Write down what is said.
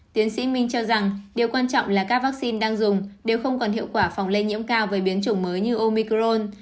tiến sĩ minh cho rằng điều quan trọng là các vaccine đang dùng nếu không còn hiệu quả phòng lây nhiễm cao với biến chủng mới như omicron